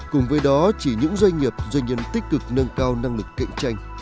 cùng với đó chỉ những doanh nghiệp doanh nhân tích cực nâng cao năng lực cạnh tranh